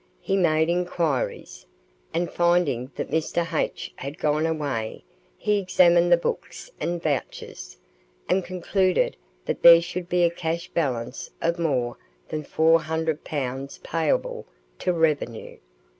He made enquiries, and finding that Mr. H. had gone away, he examined the books and vouchers, and concluded that there should be a cash balance of more than four hundred pounds payable to revenue.